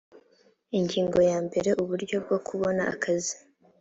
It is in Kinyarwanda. ingingo ya mbere uburyo bwo kubona akazi